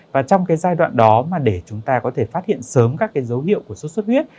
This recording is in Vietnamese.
và trong giai đoạn đó để chúng ta có thể phát hiện sớm các dấu hiệu của xuất xuất huyết